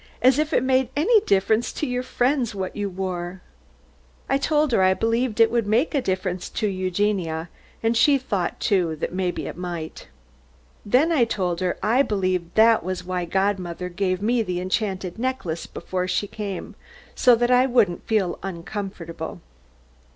As if it made any difference to your friends what you wore." I told her I believed it would make a difference to Eugenia, and she thought, too, that maybe it might. Then I told her I believed that was why godmother gave me the enchanted necklace before she came, so that I wouldn't feel uncomfortable.